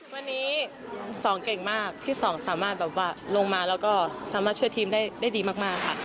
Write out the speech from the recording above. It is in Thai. วันนี้๒เก่งมากที่๒สามารถแบบว่าลงมาแล้วก็สามารถช่วยทีมได้ดีมากค่ะ